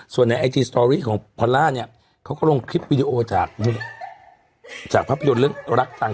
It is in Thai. ส่วนในไอจีสตอรี่ของพอลล่าเนี่ยเขาก็ลงคลิปวิดีโอจากภาพยนตร์เรื่องรักตังค